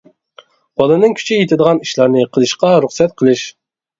بالىنىڭ كۈچى يېتىدىغان ئىشلارنى قىلىشىغا رۇخسەت قىلىش.